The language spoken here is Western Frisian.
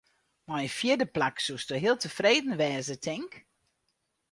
Mei in fjirde plak soesto heel tefreden wêze, tink?